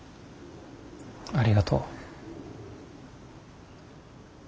ありがとう。